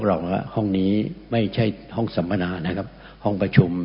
อันนี้ไม่ใช่ห้องสมณะนะครับห้องประชุม